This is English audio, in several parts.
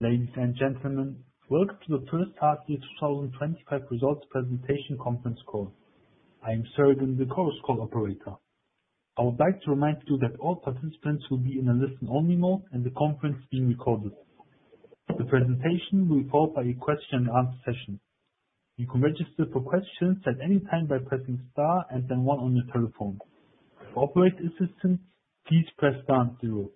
Ladies and gentlemen, welcome to the first half of the 2025 Results Presentation Conference call. I am Serge, the Chorus Call operator. I would like to remind you that all participants will be in a listen-only mode and the conference is being recorded. The presentation will be followed by a question-and-answer session. You can register for questions at any time by pressing star and then one on your telephone. For operator assistance, please press star and zero.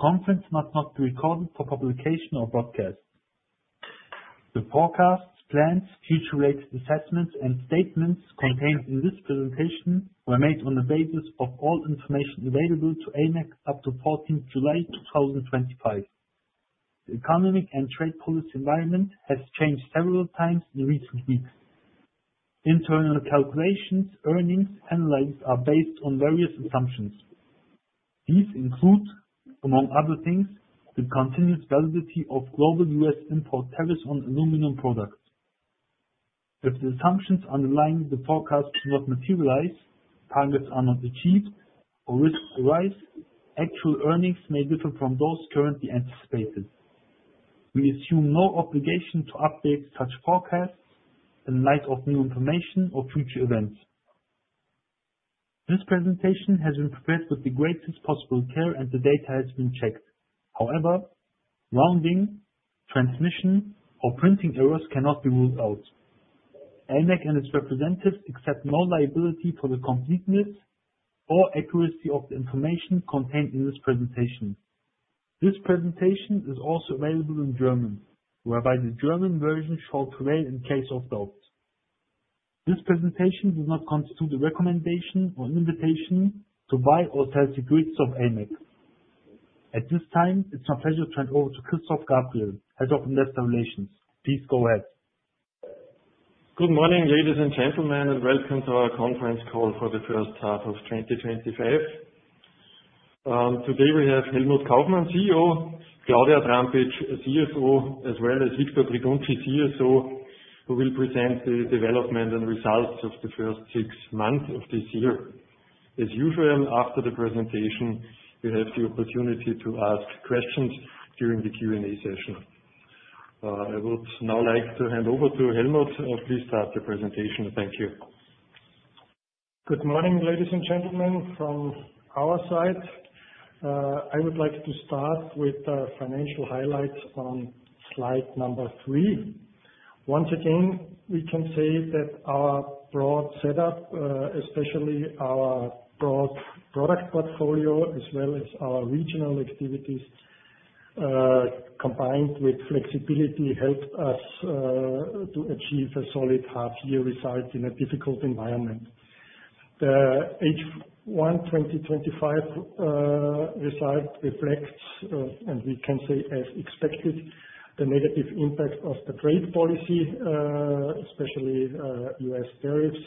The conference must not be recorded for publication or broadcast. The forecasts, plans, future-related assessments, and statements contained in this presentation were made on the basis of all information available to AMAG up to 14 July 2025. The economic and trade policy environment has changed several times in recent weeks. Internal calculations, earnings, and lines are based on various assumptions. These include, among other things, the continuous validity of global U.S. import tariffs on aluminium products. If the assumptions underlying the forecast do not materialize, targets are not achieved, or risks arise, actual earnings may differ from those currently anticipated. We assume no obligation to update such forecasts in light of new information or future events. This presentation has been prepared with the greatest possible care and the data has been checked. However, rounding, transmission, or printing errors cannot be ruled out. AMAG and its representatives accept no liability for the completeness or accuracy of the information contained in this presentation. This presentation is also available in German, whereby the German version shall prevail in case of doubt. This presentation do not constitute a recommendation or invitation to buy or sell securities of AMAG. At this time, it's my pleasure to hand over to Christoph Gabriel, Head of Investor Relations. Please go ahead. Good morning, ladies and gentlemen, and welcome to our conference call for the first half of 2025. Today we have Helmut Kaufmann, CEO, Claudia Trampitsch, CFO, as well as Victor Breguncci, CSO, who will present the development and results of the first six months of this year. As usual, after the presentation, you have the opportunity to ask questions during the Q&A session. I would now like to hand over to Helmut. Please start the presentation. Thank you. Good morning, ladies and gentlemen. From our side, I would like to start with the financial highlights on slide number three. Once again, we can say that our broad setup, especially our broad product portfolio, as well as our regional activities, combined with flexibility, helped us to achieve a solid half-year result in a difficult environment. The H1 2025 result reflects, and we can say, as expected, the negative impact of the trade policy, especially U.S. tariffs.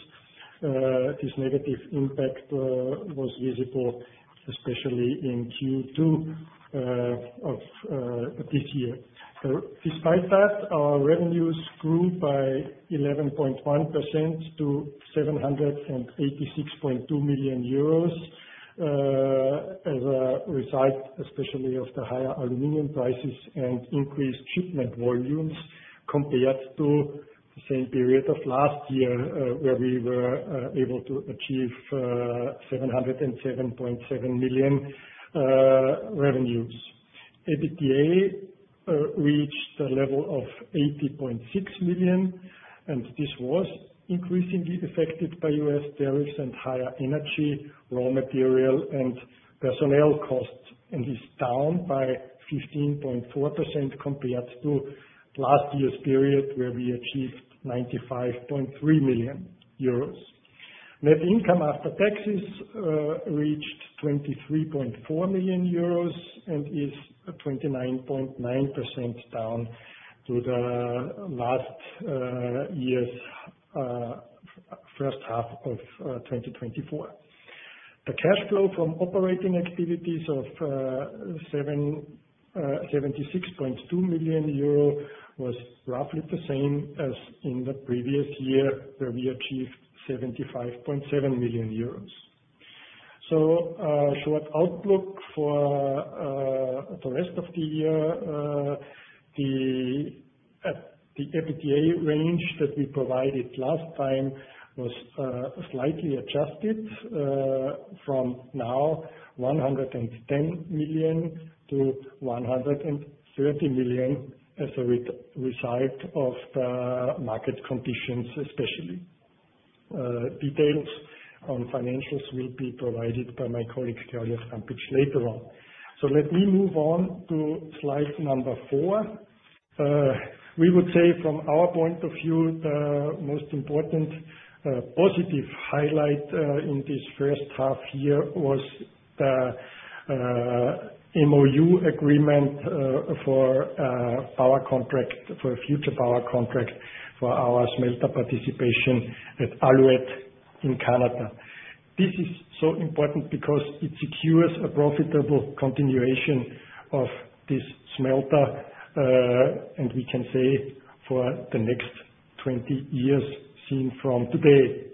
This negative impact was visible, especially in Q2 of this year. Despite that, our revenues grew by 11.1% to EUR 786.2 million as a result, especially of the higher aluminum prices and increased shipment volumes compared to the same period of last year, where we were able to achieve 707.7 million revenues. EBITDA reached a level of 80.6 million, and this was increasingly affected by U.S. tariffs and higher energy, raw material, and personnel costs, and is down by 15.4% compared to last year's period, where we achieved 95.3 million euros. Net income after taxes reached 23.4 million euros and is 29.9% down to the last year's first half of 2024. The cash flow from operating activities of 76.2 million euro was roughly the same as in the previous year, where we achieved EUR 75.7 million. The EBITDA range that we provided last time was slightly adjusted from now 110 million to 130 million as a result of the market conditions, especially. Details on financials will be provided by my colleague, Claudia Trampitsch, later on. Let me move on to slide number four. We would say, from our point of view, the most important positive highlight in this first half here was the MOU agreement for our contract for a future power contract for our smelter participation at Alouette in Canada. This is so important because it secures a profitable continuation of this smelter, and we can say for the next 20 years seen from today.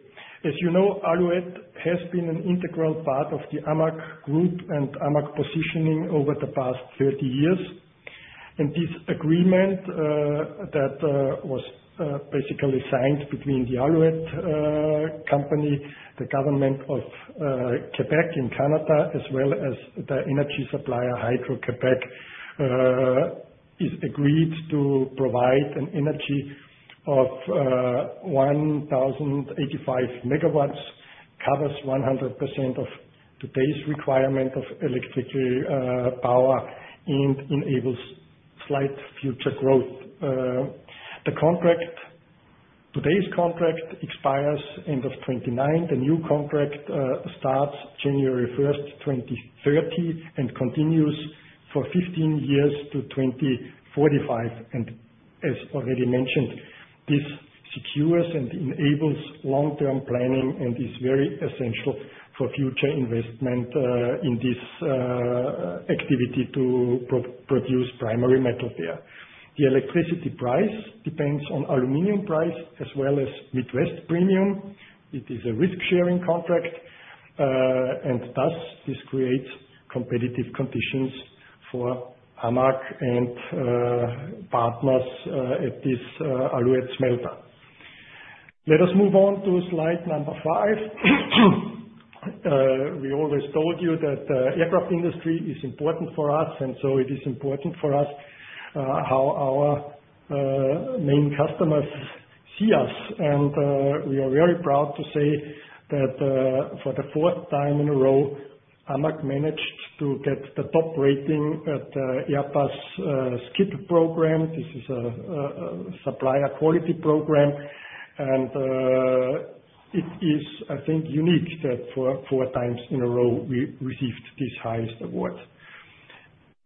As you know, Alouette has been an integral part of the AMAG group and AMAG positioning over the past 30 years. This agreement that was basically signed between the Alouette company, the Government of Quebec in Canada, as well as the energy supplier Hydro-Québec, is agreed to provide an energy of 1,085 MW, covers 100% of today's requirement of electricity power, and enables slight future growth. Today's contract expires end of 2029. The new contract starts January 1, 2030, and continues for 15 years to 2045. As already mentioned, this secures and enables long-term planning and is very essential for future investment in this activity to produce primary metal there. The electricity price depends on aluminum price as well as Midwest Premium. It is a risk-sharing contract. This creates competitive conditions for AMAG and partners at this Alouette smelter. Let us move on to slide number five. We always told you that the aircraft industry is important for us, and it is important for us how our main customers see us. We are very proud to say that for the fourth time in a row, AMAG managed to get the top rating at the Airbus SKID program. This is a supplier quality program. I think it is unique that for four times in a row, we received this highest award.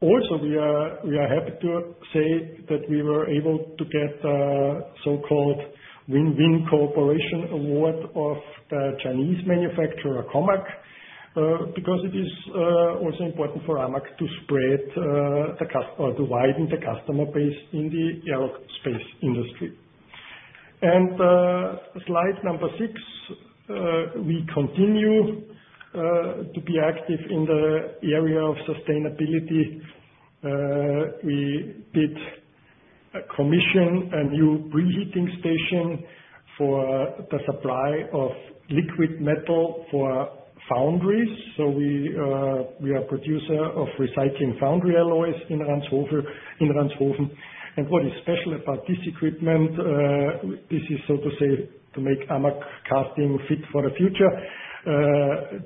We are happy to say that we were able to get the so-called win-win cooperation award of the Chinese manufacturer COMAC because it is also important for AMAG to spread the customer, to widen the customer base in the aerospace industry. On slide number six, we continue to be active in the area of sustainability. We did commission a new preheating station for the supply of liquid metal for foundries. We are a producer of recycling foundry alloys in Ranshofen. What is special about this equipment, this is so to say to make AMAG casting fit for the future.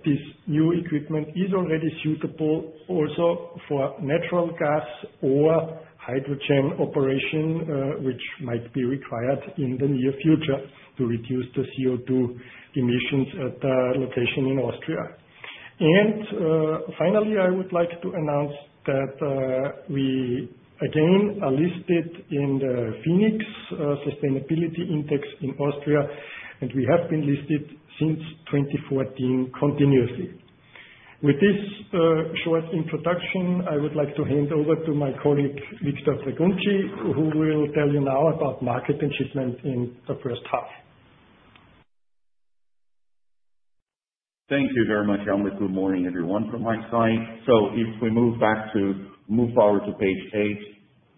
This new equipment is already suitable also for natural gas or hydrogen operation, which might be required in the near future to reduce the CO2 emissions at the location in Austria. Finally, I would like to announce that we, again, are listed in the Phoenix Sustainability Index in Austria, and we have been listed since 2014 continuously. With this short introduction, I would like to hand over to my colleague, Victor Breguncci, who will tell you now about market achievements in the first half. Thank you very much, Helmut. Good morning, everyone, from my side. If we move forward to page eight,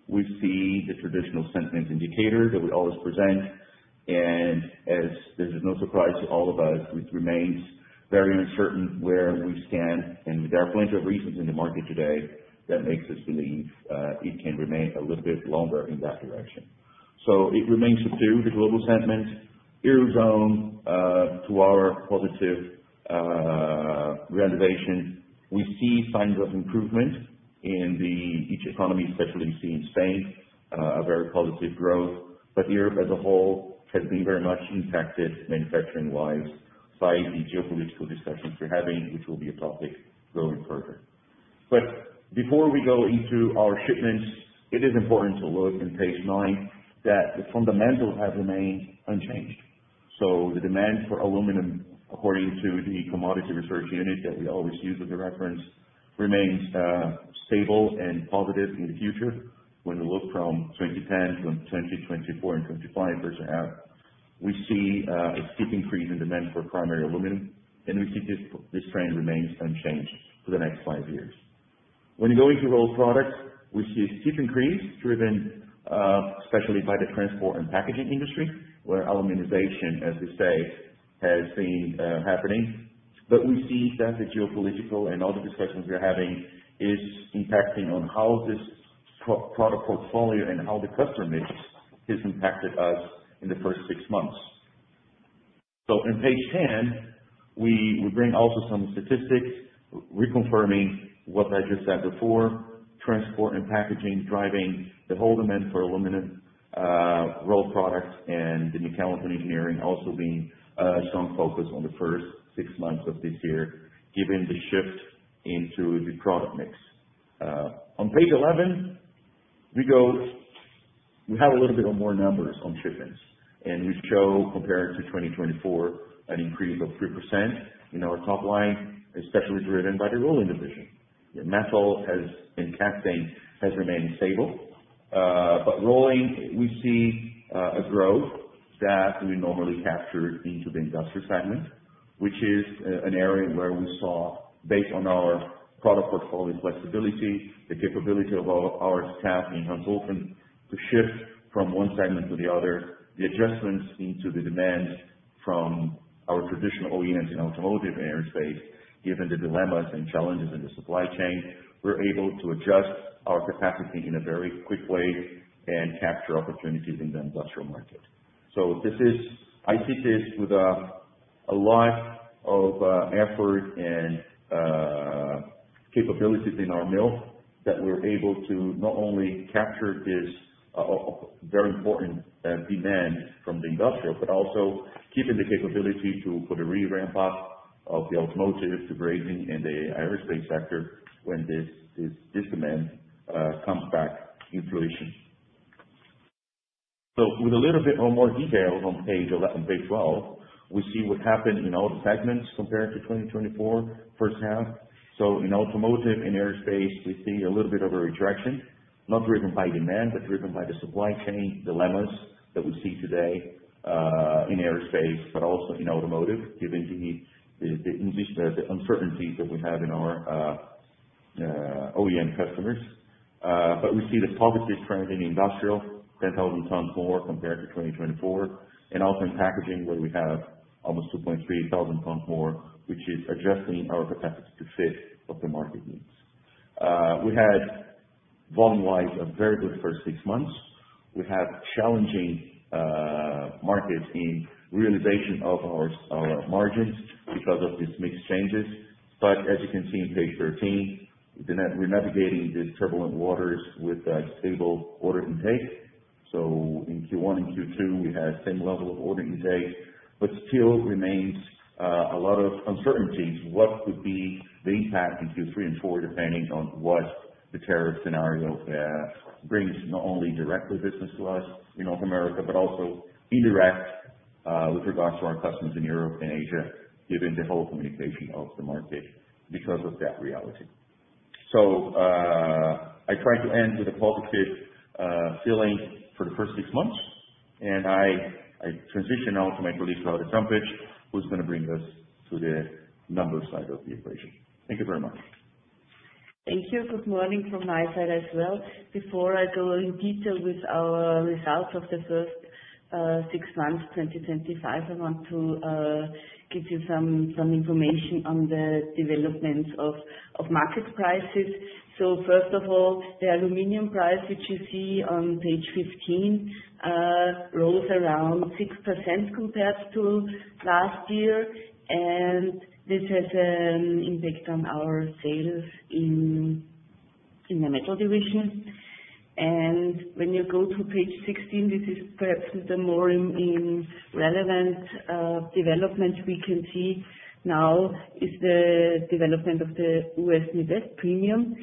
we see the traditional sentence indicator that we always present. As this is no surprise to all of us, it remains very uncertain where we stand. There are plenty of reasons in the market today that make us believe it can remain a little bit longer in that direction. It remains true, the global sentiment, eurozone, to our qualitative renovations. We see signs of improvement in each economy, especially seeing Spain, a very positive growth. Europe as a whole has been very much impacted manufacturing-wise. Besides the geopolitical discussions we're having, it will be a topic going further. Before we go into our shipments, it is important to look in page nine that the fundamentals have remained unchanged. The demand for aluminum, according to the Commodity Research Unit that we always use as a reference, remains stable and positive in the future. When we look from 2010 to 2024 and 2025, we see a steep increase in demand for primary aluminum. We see this trend remains unchanged for the next five years. When you go into roll products, we see a steep increase driven especially by the transport and packaging industry, where aluminization, as we say, has been happening. We've seen that the geopolitical and all the discussions we're having are impacting on how this product portfolio and how the customer matrix has impacted us in the first six months. In page 10, we bring also some statistics reconfirming what I just said before: transport and packaging driving the whole demand for aluminum, roll products, and the mechanical engineering also being a strong focus on the first six months of this year, given the shift into the product mix. On page 11, we have a little bit more numbers on shipments. We show, compared to 2024, an increase of 3% in our top line, especially driven by the rolling division. The metal impact has remained stable. Rolling, we see a growth that we normally captured into the industrial segments, which is an area where we saw, based on our product portfolio flexibility, the capability of our staff in Ranshofen to shift from one segment to the other, the adjustments into the demands from our traditional OEMs in automotive and aerospace, given the dilemmas and challenges in the supply chain, we're able to adjust our capacity in a very quick way and capture opportunities in the industrial market. I see this with a lot of effort and capabilities in our mills that we're able to not only capture this very important demand from the industrial, but also given the capability to put a real ramp up of the automotive, the grazing, and the aerospace sector when this demand comes back in fruition. With a little bit more detail on page 11, page 12, we see what happened in all the segments compared to 2024, first half. In automotive and aerospace, we see a little bit of a retraction, not driven by demand, but driven by the supply chain dilemmas that we see today in aerospace, but also in automotive, given the uncertainty that we have in our OEM customers. We see the top of this trend in industrial, 10,000 tons more compared to 2024. Also in packaging, where we have almost 2.3 thousand tons more, which is adjusting our capacity to fit what the market needs. We have volume-wise a very good first six months. We have challenging markets in realization of our margins because of these mixed changes. As you can see in page 13, we're navigating the turbulent waters with stable order intake. In Q1 and Q2, we have the same level of order intake, but still remains a lot of uncertainties. What could be the impact in Q3 and Q4, depending on what the tariff scenario brings, not only directly business to us in North America, but also indirect with regards to our customers in Europe and Asia, given the whole communication of the market because of that reality. I try to end with a positive feeling for the first six months. I transition now to my colleague, Claudia Trampitsch, who's going to bring us to the numbers side of the equation. Thank you very much. Thank you. Good morning from my side as well. Before I go in detail with our results of the first six months, 2025, I want to give you some information on the developments of market prices. First of all, the aluminum price, which you see on page 15, rose around 6% compared to last year. This has an impact on our sales in the metal division. When you go to page 16, this is perhaps the more relevant development we can see now, the development of the U.S. Midwest Premium.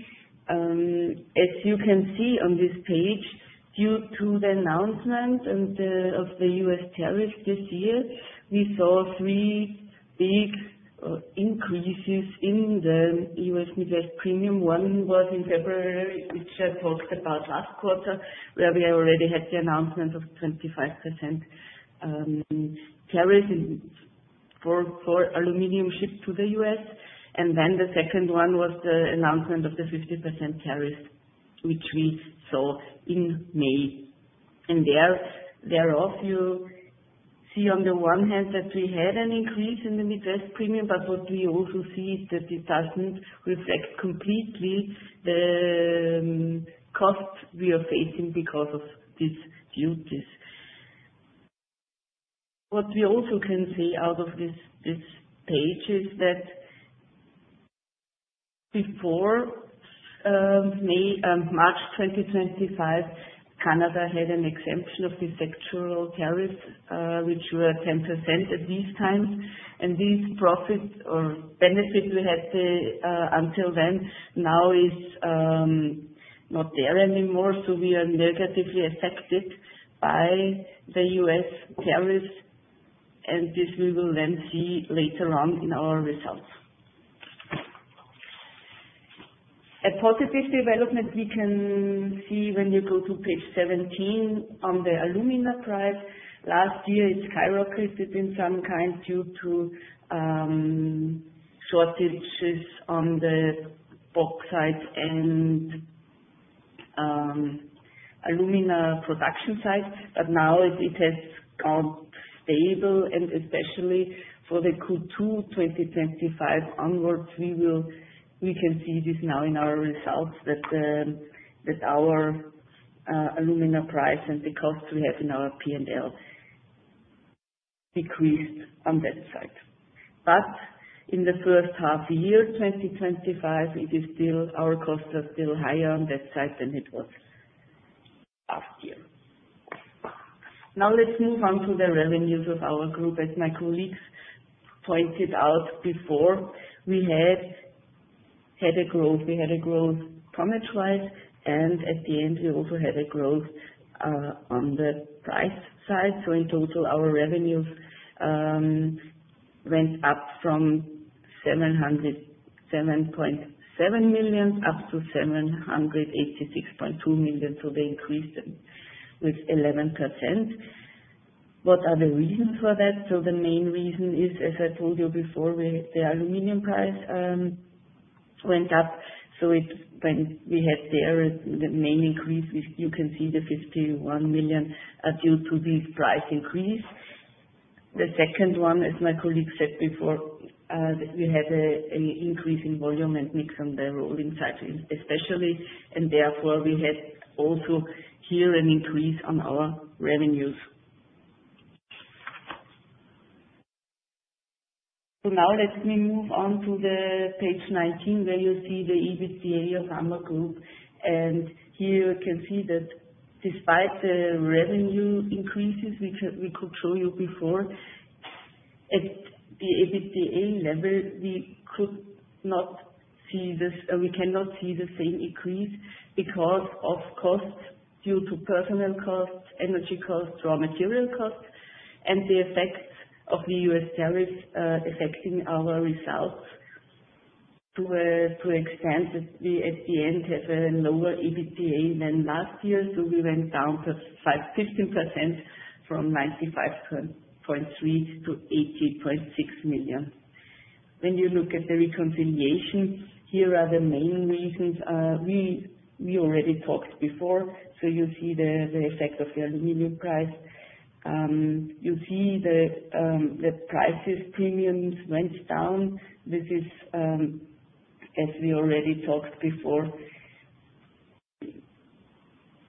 As you can see on this page, due to the announcement of the U.S. tariffs this year, we saw three big increases in the U.S. Midwest Premium. One was in February, which I talked about last quarter, where we already had the announcement of 25% tariffs for aluminum shipped to the U.S. The second one was the announcement of the 50% tariffs, which we saw in May. Thereof, you see on the one hand that we had an increase in the Midwest Premium, but what we also see is that this doesn't reflect completely the costs we are facing because of these duties. What we also can say out of this page is that before May and March 2025, Canada had an exemption of the sectoral tariff, which were 10% at these times. This profit or benefit we had until then now is not there anymore. We are negatively affected by the U.S. tariffs. This we will then see later on in our results. A positive development we can see when you go to page 17 on the aluminum price. Last year, it skyrocketed in some kind due to shortages on the bauxite and aluminum production sites. Now it is stable. Especially for Q2 2025 onwards, we can see this now in our results that our aluminum price and the costs we have in our P&L decreased on that side. In the first half of the year 2025, our costs are still higher on that side than it was last year. Now let's move on to the revenues of our group. As my colleagues pointed out before, we had a growth. We had a growth tonnage-wise. At the end, we also had a growth on the price side. In total, our revenues went up from 707.7 million up to 786.2 million. They increased with 11%. What are the reasons for that? The main reason is, as I told you before, the aluminum price went up. When we had the main increase, you can see the 51 million due to this price increase. The second one, as my colleague said before, we had an increase in volume and mix on the rolling side, especially. Therefore, we had also here an increase on our revenues. Let me move on to page 19, where you see the EBITDA of AMAG Group. Here you can see that despite the revenue increases we could show you before, at the EBITDA level, we could not see this. We cannot see the same increase because of costs due to personnel costs, energy costs, raw material costs, and the effects of the U.S. tariffs affecting our results. To an extent, we at the end have a lower EBITDA than last year. We went down perhaps 15% from 95.3 million to 80.6 million. When you look at the reconciliation, here are the main reasons. We already talked before. You see the effect of the aluminum price. You see the prices premiums went down. This is, as we already talked before,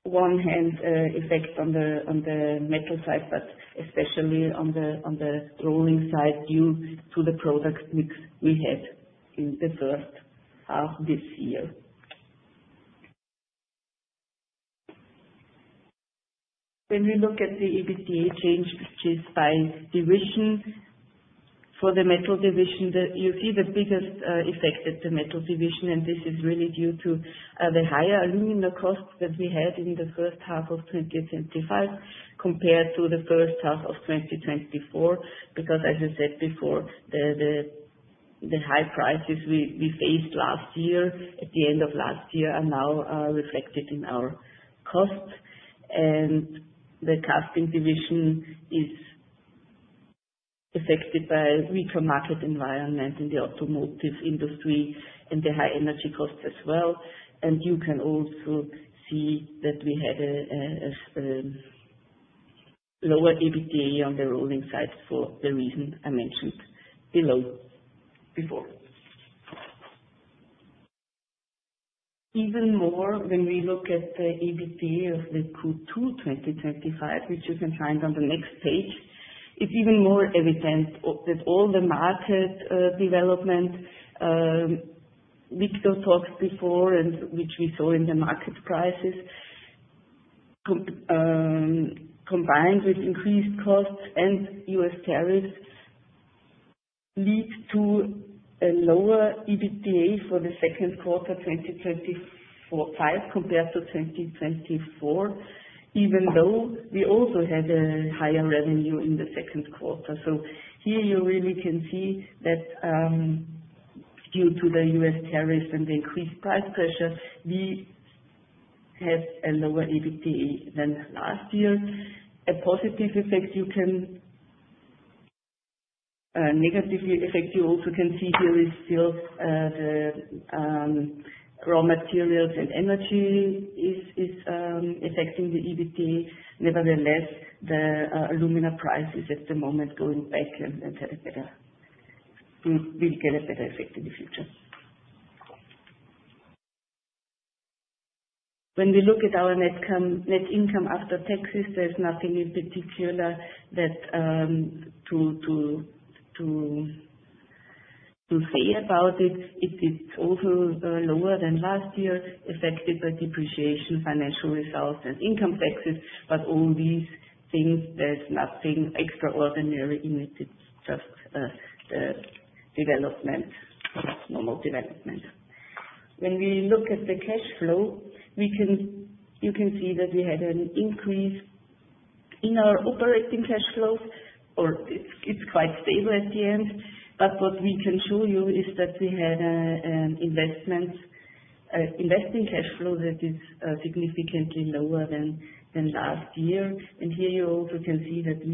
one hand effect on the metal side, but especially on the rolling side due to the product mix we had in the first half of this year. When we look at the EBITDA change by division for the Metal Division, you see the biggest effect at the Metal Division. This is really due to the higher aluminum costs that we had in the first half of 2025 compared to the first half of 2024. As I said before, the high prices we faced last year at the end of last year are now reflected in our costs. The Casting Division is affected by the market environment in the automotive industry and the high energy costs as well. You can also see that we had a lower EBITDA on the rolling sides for the reason I mentioned before. Even more, when we look at the EBITDA of Q2 2025, which you can find on the next page, it's even more evident that all the market development, which we talked before and which we saw in the market prices, combined with increased costs and U.S. tariffs, leads to a lower EBITDA for the second quarter 2025 compared to 2024, even though we also had a higher revenue in the second quarter. Here, you really can see that due to the U.S. tariffs and the increased price pressure, we had a lower EBITDA than last year. A positive effect you can negatively affect, you also can see here is still the raw materials and energy is affecting the EBITDA. Nevertheless, the aluminum price is at the moment going back and will get a better effect in the future. When we look at our net income after taxes, there's nothing in particular to say about it. It's also lower than last year, affected by depreciation, financial results, and income taxes. All these things, there's nothing extraordinary in it. It's just the development for us, normal development. When we look at the cash flow, you can see that we had an increase in our operating cash flow. It's quite stable at the end. What we can show you is that we had an investing cash flow that is significantly lower than last year. Here, you also can see that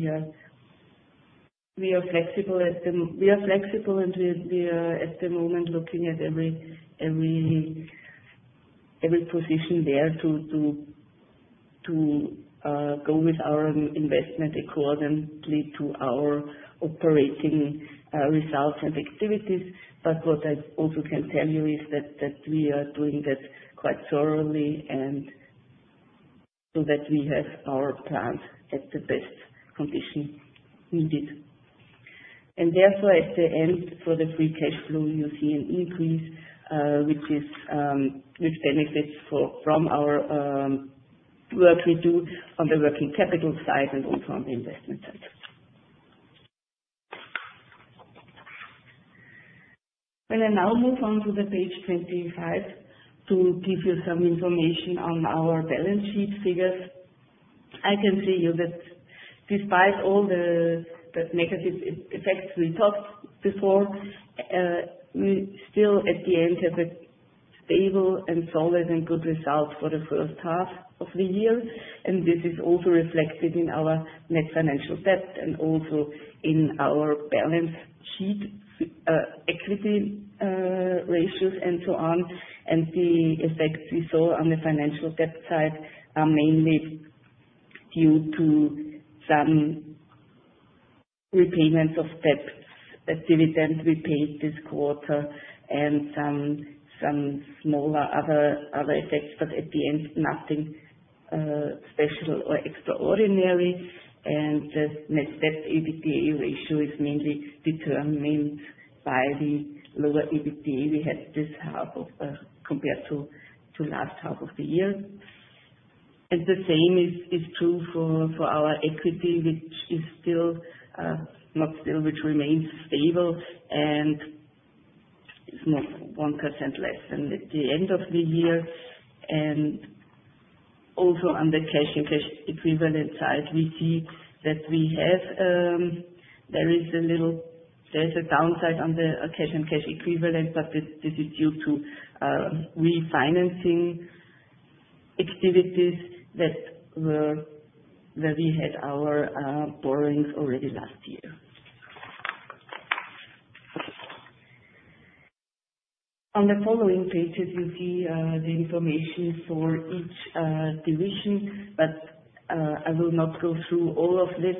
we are flexible, and we are at the moment looking at every position there to go with our investment accordingly to our operating results and activities. What I also can tell you is that we are doing that quite thoroughly so that we have our plants at the best condition needed. Therefore, at the end, for the free cash flow, you see an increase with benefits from our work we do on the working capital side and on-farm investment side. When I now move on to page 25 to give you some information on our balance sheet figures, I can tell you that despite all the negative effects we talked before, we still at the end have a stable and solid and good result for the first half of the year. This is also reflected in our net financial debt and also in our balance sheet equity ratios and so on. The effects we saw on the financial debt side are mainly due to some repayments of debts that we paid this quarter and some smaller other effects. At the end, nothing special or extraordinary. The net debt EBITDA ratio is mainly determined by the lower EBITDA we had this half of compared to the last half of the year. The same is true for our equity, which remains stable and is not 1% less than at the end of the year. Also on the cash and cash equivalent side, we see that there is a little downside on the cash and cash equivalent, but this is due to refinancing activities where we had our borrowings already last year. On the following pages, you see the information for each division, but I will not go through all of this.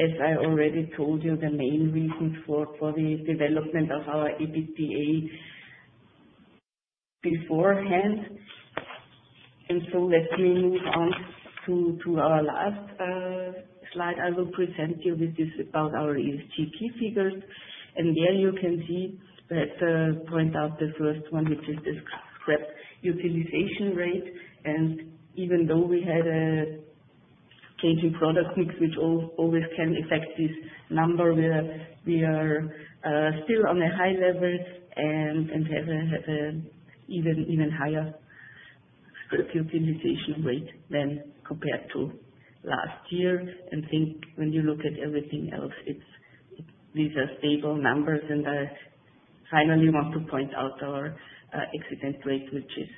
As I already told you, the main reasons for the development of our EBITDA beforehand. Let me move on to our last slide. I will present you with this about our ESG key figures. There you can see that I point out the first one, which is the scrap utilization rate. Even though we had a changing product mix, which always can affect this number, we are still on a high level and have an even higher utilization rate than compared to last year. I think when you look at everything else, these are stable numbers. I finally want to point out our exit rate, which is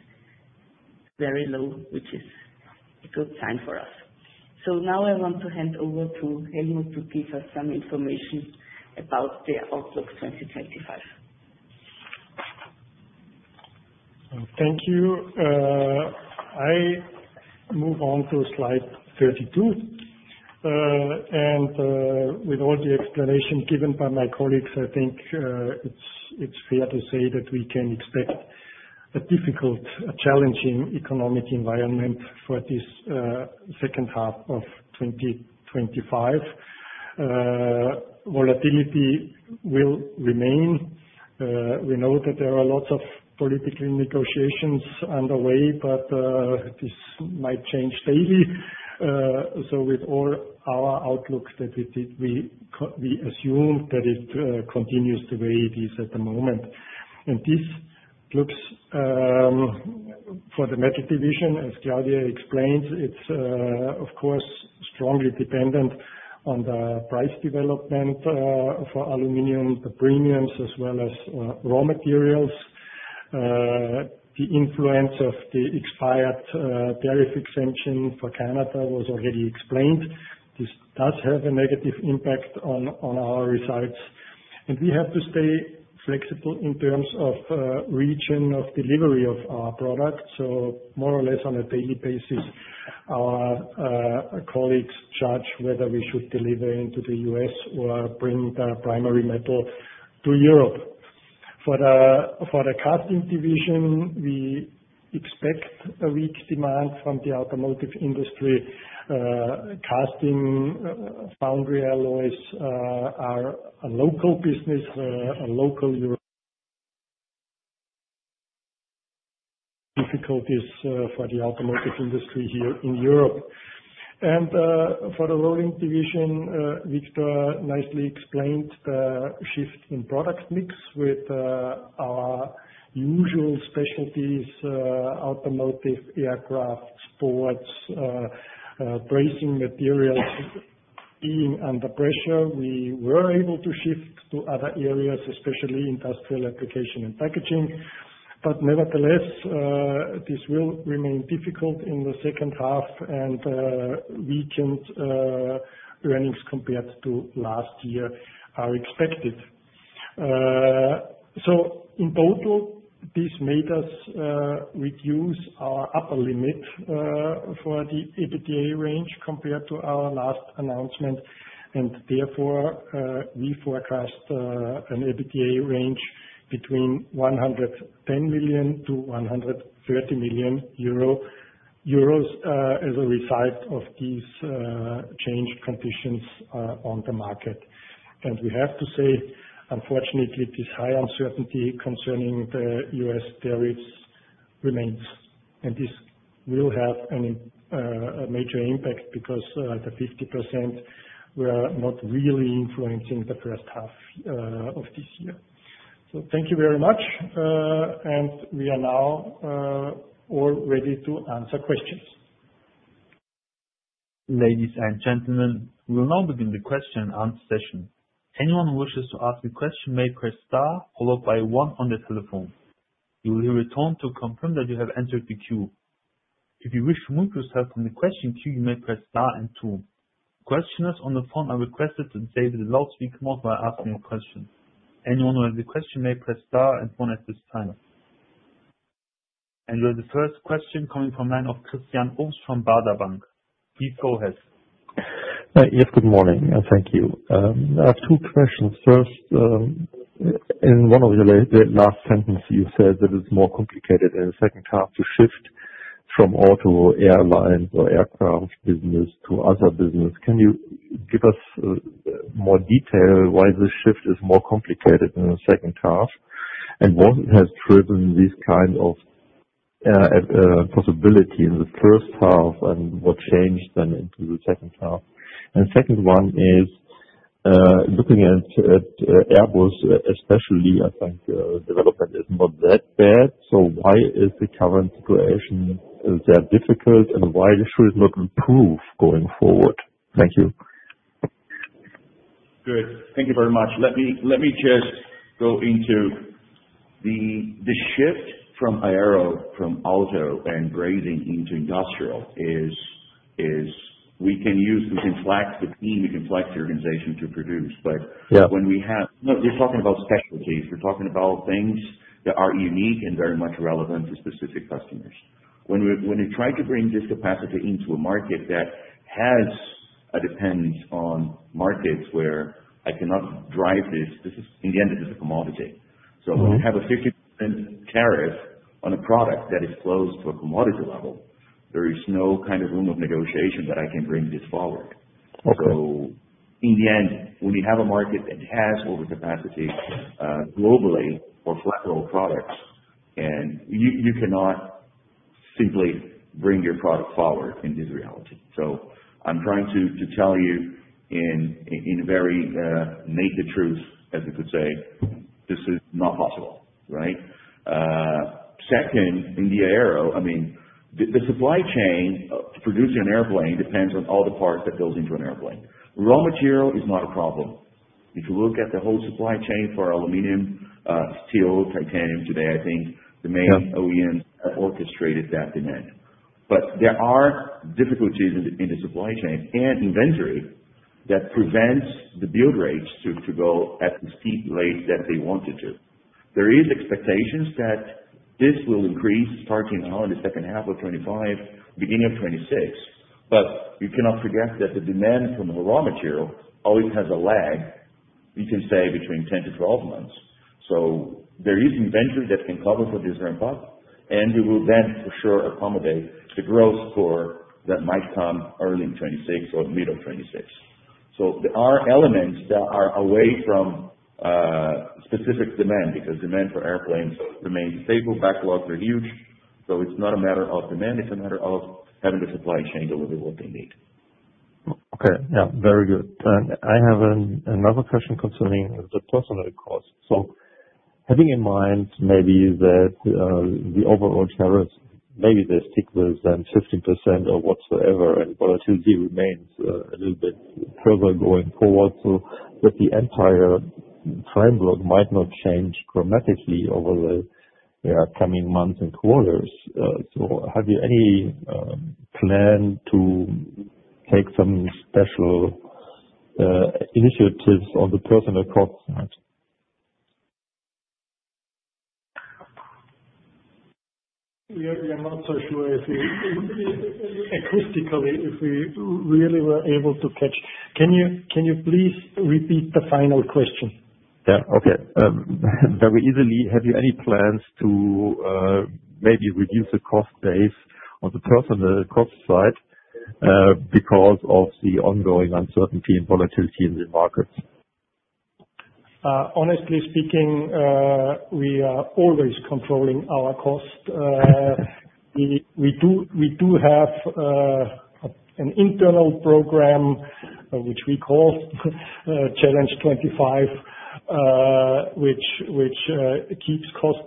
very low, which is a good sign for us. Now I want to hand over to Helmut to give us some information about the outlook 2025. Thank you. I move on to slide 32. With all the explanation given by my colleagues, I think it's fair to say that we can expect a difficult, a challenging economic environment for this second half of 2025. Volatility will remain. We know that there are lots of political negotiations underway, but this might change daily. With all our outlooks that we did, we assume that it continues the way it is at the moment. This looks for the metal division. As Claudia explained, it's, of course, strongly dependent on the price development for aluminium, the premiums, as well as raw materials. The influence of the expired tariff exemption for Canada was already explained. This does have a negative impact on our results. We have to stay flexible in terms of the region of delivery of our product. More or less on a daily basis, our colleagues judge whether we should deliver into the U.S. or bring the primary metal to Europe. For the casting division, we expect a weak demand from the automotive industry. Casting foundry alloys are a local business, a local difficulties for the automotive industry here in Europe. For the rolling division, Victor nicely explained the shift in product mix with our usual specialties, automotive, aircraft, forwards, bracing materials. Being under pressure, we were able to shift to other areas, especially industrial application and packaging. Nevertheless, this will remain difficult in the second half, and region's earnings compared to last year are expected. In total, this made us reduce our upper limit for the EBITDA range compared to our last announcement. Therefore, we forecast an EBITDA range between 110 million to 130 million euro as a result of these changed conditions on the market. We have to say, unfortunately, this high uncertainty concerning the U.S. tariffs remains. This will have a major impact because the 50% were not really influencing the first half of this year. Thank you very much. We are now all ready to answer questions. Ladies and gentlemen, we will now begin the question and answer session. Anyone who wishes to ask a question may press star followed by one on the telephone. You will hear a tone to confirm that you have entered the queue. If you wish to move yourself from the question queue, you may press star and two. Questioners on the phone are requested to say the last week's most by asking a question. Anyone who has a question may press star and one at this time. You have the first question coming from the line of Christian Ostheim Baader Bank. Please go ahead. Yes, good morning. Thank you. I have two questions. First, in one of your last sentences, you said that it's more complicated in the second half to shift from auto, airlines, or aircraft business to other business. Can you give us more detail why this shift is more complicated in the second half and what has driven this kind of possibility in the first half and what changed then into the second half? The second one is looking at Airbus, especially, I think the development is not that bad. Why is the current situation that difficult and why should it not improve going forward? Thank you. Good. Thank you very much. Let me just go into the shift from aero from auto and grazing into industrial. We can use within flex the team. We can flex the organization to produce. When you're talking about specialties, you're talking about things that are unique and very much relevant to specific customers. When we try to bring this capacity into a market that has a dependence on markets where I cannot drive this, this is in the end, this is a commodity. When you have a 50% tariff on a product that is close to a commodity level, there is no kind of room of negotiation that I can bring this forward. In the end, when you have a market that has overcapacity globally for flexible products, you cannot simply bring your product forward in this reality. I'm trying to tell you in a very "make the truth," as we could say, this is not possible, right? Second, in the aero, the supply chain to produce an airplane depends on all the parts that go into an airplane. Raw material is not a problem. If you look at the whole supply chain for aluminum, steel, titanium today, I think the main OEMs have orchestrated that demand. There are difficulties in the supply chain and inventory that prevent the build rates to go at the speed rate that they wanted to. There are expectations that this will increase starting now in the second half of 2025, beginning of 2026. You cannot forget that the demand from the raw material always has a lag, you can say, between 10 to 12 months. There is inventory that can cover for this ramp up, and it will then for sure accommodate the growth that might come early in 2026 or middle of 2026. There are elements that are away from specific demand because demand for airplanes remains stable. Backlogs are huge. It's not a matter of demand. It's a matter of having the supply chain deliver what they need. Okay. Very good. I have another question concerning the person that calls. Having in mind maybe that the overall tariffs, maybe they're stickler than 50% or whatsoever, and volatility remains, a little bit further going forward, that the entire framework might not change dramatically over the coming months and quarters. Have you any plan to take some special initiatives on the personal cost side? We are not so sure if we acoustically, if we really were able to catch. Can you please repeat the final question? Yeah, okay. Very easily. Have you any plans to maybe reduce the cost base on the personnel cost side because of the ongoing uncertainty and volatility in the markets? Honestly speaking, we are always controlling our cost. We do have an internal program, which we call Challenge 25, which keeps costs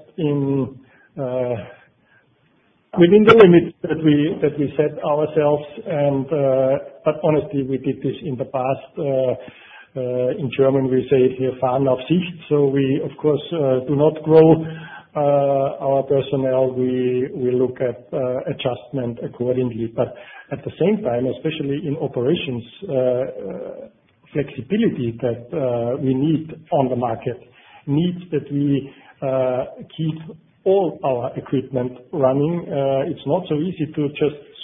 within the limits that we set ourselves. Honestly, we did this in the past. In German, we say if you're far enough fish, so we, of course, do not grow our personnel. We look at adjustment accordingly. At the same time, especially in operations, flexibility that we need on the market needs that we keep all our equipment running. It's not so easy to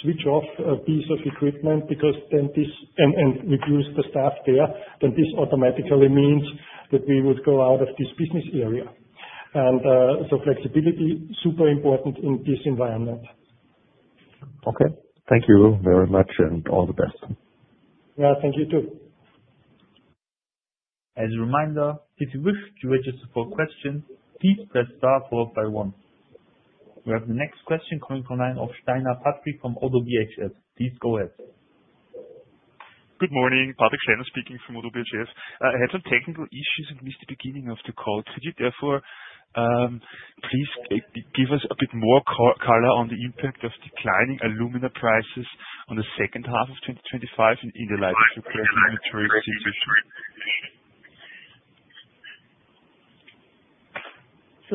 just switch off a piece of equipment because then this and reduce the staff there. This automatically means that we would go out of this business area. Flexibility is super important in this environment. Okay, thank you very much and all the best. Yeah, thank you too. As a reminder, if you wish to register for questions, please press star four one. We have the next question coming from the line of Patrick Steiner from Oddo BHF. Please go ahead. Good morning. Patrick Steiner speaking from Oddo BHF. I had some technical issues since the beginning of the call. Could you therefore, please give us a bit more color on the impact of declining aluminium prices on the second half of 2025 in the light of the pressing material since issue?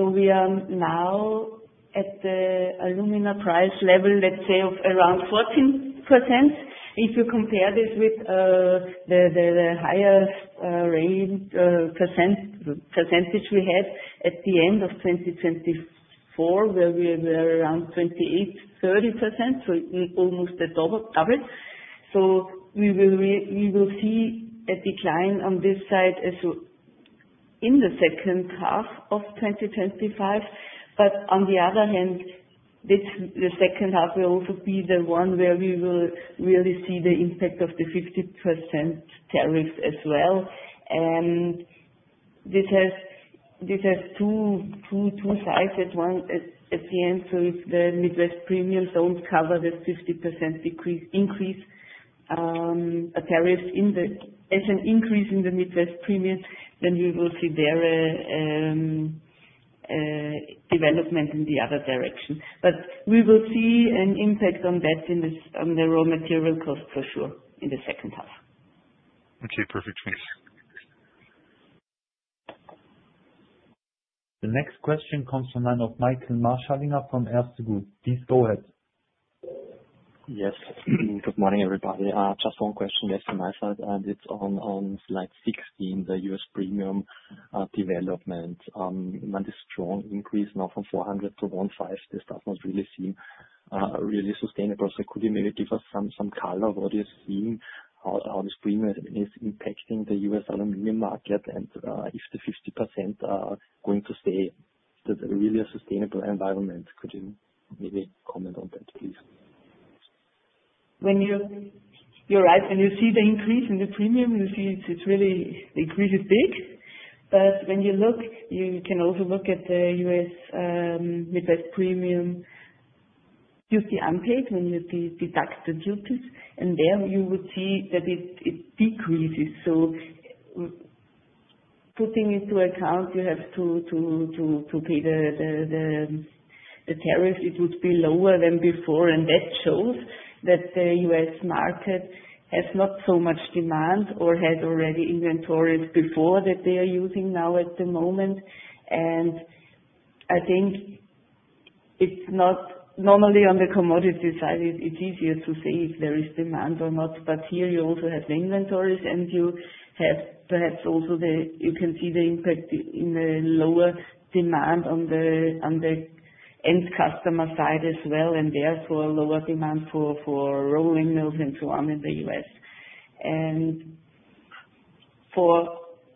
We are now at the aluminum price level, let's say, of around 14%. If you compare this with the highest range percentage we had at the end of 2024, where we were around 28-30%, it almost doubled. We will see a decline on this side as well in the second half of 2025. On the other hand, the second half will also be the one where we will really see the impact of the 50% tariffs as well. This has two sides at the end. If the Midwest Premium Zone covered a 50% increase, a tariff as an increase in the Midwest Premium, then we will see a development in the other direction. We will see an impact on that in the raw material cost for sure in the second half. Okay. Perfect. Thanks. The next question comes from the line of Michael Marschallinger from Erste Group. Please go ahead. Yes. Good morning, everybody. Just one question from my side. I'm on slide 16, the U.S. premium development. Not a strong increase now from $400 to $150. This does not really seem sustainable. Could you maybe give us some color of what you're seeing? How this premium is impacting the U.S. aluminum market? If the 50% are going to stay, is that really a sustainable environment? Could you maybe comment on that, please? You're right. When you see the increase in the premium, you see it's really the increase is big. When you look, you can also look at the U.S. Midwest Premium duty unpaid. When you deduct the duties, you would see that it decreases. Putting into account, you have to pay the tariff. It would be lower than before. That shows that the U.S. market has not so much demand or had already inventories before that they are using now at the moment. I think it's not normally on the commodity side. It's easier to say if there is demand or not. Here, you also have the inventories and you have perhaps also the, you can see the impact in the lower demand on the end customer side as well, and therefore a lower demand for rolling mills and so on in the U.S.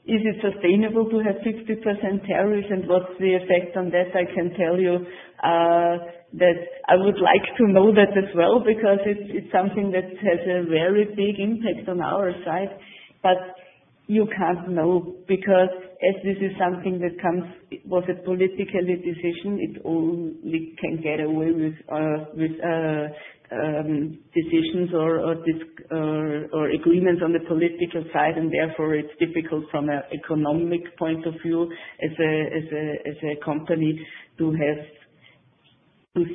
Is it sustainable to have 50% tariffs and what's the effect on that? I can tell you that I would like to know that as well because it's something that has a very big impact on our side. You can't know because as this is something that comes, was it political decision? It only can get away with decisions or agreements on the political side. Therefore, it's difficult from an economic point of view as a company to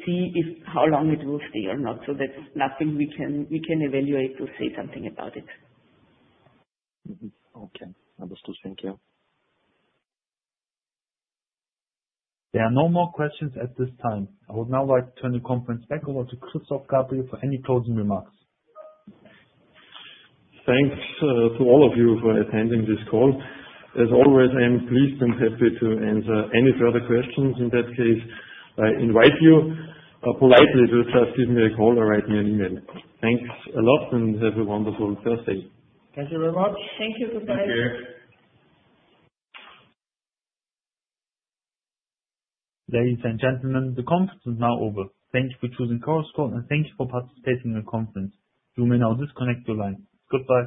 see if how long it will stay or not. That's nothing we can evaluate or say something about. Okay, understood. Thank you. There are no more questions at this time. I would now like to turn the conference back over to Christoph Gabriel for any closing remarks. Thanks to all of you for attending this call. As always, I am pleased and happy to answer any further questions. In that case, I invite you politely to just give me a call or write me an email. Thanks a lot and have a wonderful Thursday. Thank you very much. Thank you, good night. Thank you. Ladies and gentlemen, the conference is now over. Thank you for choosing Chorus Call, and thank you for participating in the conference. You may now disconnect your line. Good bye.